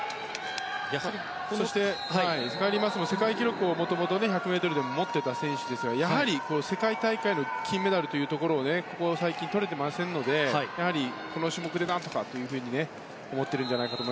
そして、カイリー・マスも世界記録をもともと１００ｍでも持っていた選手ですがやはり、世界大会の金メダルというところはここ最近とれていませんのでやはり、この種目で何とかと思ってるんじゃないかと。